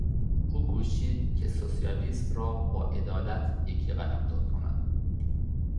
او کوشید که سوسیالیسم را با عدالت یکی قلمداد کند.